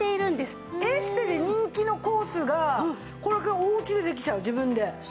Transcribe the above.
エステで人気のコースがこれからおうちでできちゃう自分で。